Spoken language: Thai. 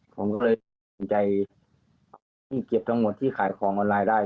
ผมก็เลยสนใจเก็บทั้งหมดที่ขายของออนไลน์ได้